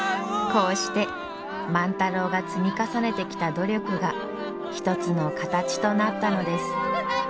こうして万太郎が積み重ねてきた努力が一つの形となったのです。